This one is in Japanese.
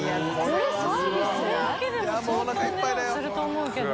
これだけでも相当お値段すると思うけど。